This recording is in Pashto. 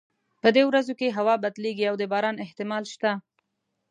په دې ورځو کې هوا بدلیږي او د باران احتمال شته